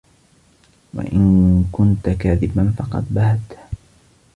وَإِنْ كُنْتَ كَاذِبًا فَقَدْ بَهَتَهُ